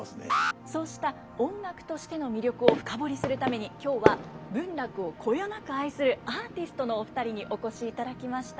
そうした音楽としての魅力を深掘りするために今日は文楽をこよなく愛するアーティストのお二人にお越しいただきました。